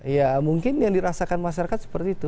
ya mungkin yang dirasakan masyarakat seperti itu